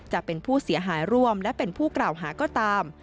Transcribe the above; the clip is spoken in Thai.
จะเป็นผู้เสียหายร่วมและเป็นผู้กล่าวหาก็ตาม